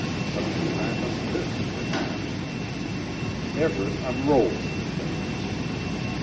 Such a time as this, perhaps. Everet unrolls the things.